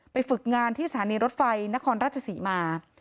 ฝึกงานที่สถานีรถไฟนครราชศรีมา